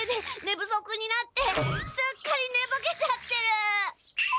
ぶそくになってすっかりねぼけちゃってる！